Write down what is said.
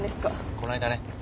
この間ね。